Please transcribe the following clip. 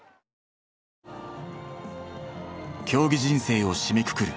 競技人生を締めくくる